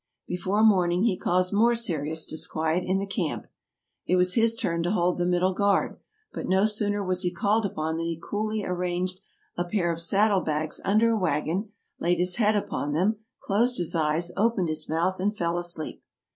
Before morning he caused more serious disquiet in the camp. It was his turn to hold the middle guard; but no sooner was he called up than he coolly arranged a pair of saddle bags under a wagon, laid his head upon them, closed his eyes, opened his mouth, and fell asleep.